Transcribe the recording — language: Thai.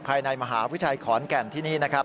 ภายในมหาวิทยาลัยขอนแก่นที่นี่นะครับ